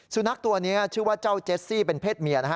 สุนัขตัวนี้ชื่อว่าเจ้าเจสซี่เป็นเพศเมียนะฮะ